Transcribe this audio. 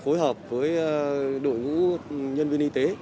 khối hợp với đội ngũ nhân viên y tế